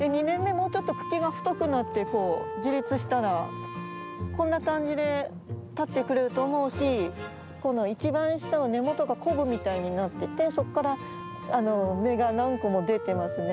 もうちょっと茎が太くなってこう自立したらこんな感じで立ってくれると思うしこの一番下の根元がコブみたいになっててそこから芽が何個も出てますね。